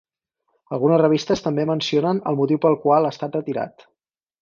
Algunes revistes també mencionen el motiu pel qual ha estat retirat.